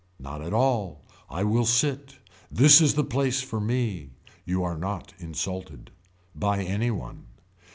Not at all. I will sit. This is the place for me. You are not insulted. By any one.